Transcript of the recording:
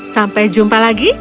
sampai jumpa lagi